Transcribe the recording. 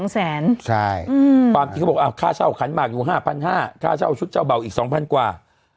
๒แสนใช่ค่าเช่าขันมากอยู่๕๕๐๐บาทค่าเช่าชุดเจ้าเบาอีก๒๐๐๐บาทกว่า